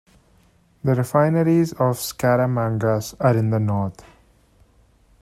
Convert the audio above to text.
The refineries of Skaramangas are in the north.